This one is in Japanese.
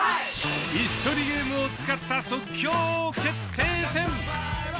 イス取りゲームを使った即興王決定戦。